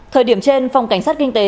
thời điểm trên phòng cảnh sát kinh tế